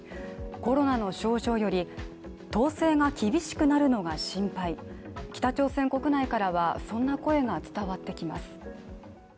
コロナの症状より統制が厳しくなるのが心配、北朝鮮国内からはそんな声が伝わってきます。